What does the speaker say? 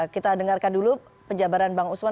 kita dengarkan dulu penjabaran bang usman